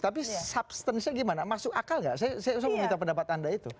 tapi substance nya gimana masuk akal nggak saya mau minta pendapat anda itu